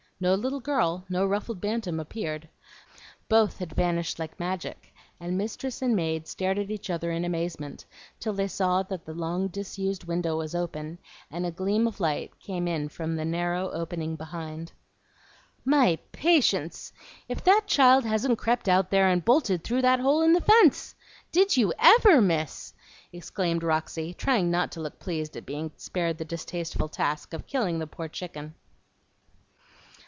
No little girl, no ruffled bantam, appeared. Both had vanished like magic; and mistress and maid stared at each other in amazement, till they saw that the long disused window was open, and a gleam of light came in from the narrow opening behind. "My patience! if that child hasn't crept out there, and bolted through that hole in the fence! Did you ever, Miss?" exclaimed Roxy, trying not to look pleased at being spared the distasteful task of killing the poor chicken.